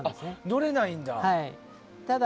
乗れないんだ。